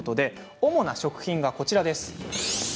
主な食品は、こちらです。